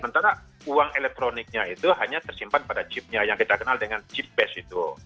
sementara uang elektroniknya itu hanya tersimpan pada chipnya yang kita kenal dengan chip base itu